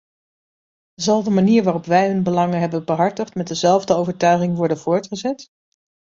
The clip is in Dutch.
Zal de manier waarop wij hun belangen hebben behartigd met dezelfde overtuiging worden voortgezet?